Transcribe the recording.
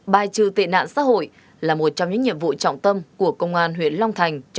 bài trừ tệ nạn xã hội là một trong những nhiệm vụ trọng tâm của công an huyện long thành